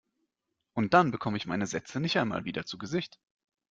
Und dann bekomme ich meine Sätze nicht einmal wieder zu Gesicht!